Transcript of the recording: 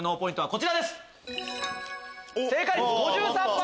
こちらです。